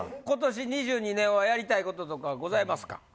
今年２２年はやりたい事とかございますか？